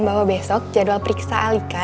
bahwa besok jadwal periksa alika